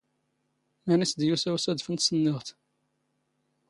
ⵎⴰⵏⵉ ⵙ ⴷ ⵢⵓⵙⴰ ⵓⵙⴰⴷⴼ ⵏ ⵜⵙⵏⵏⵉⵖⵜ.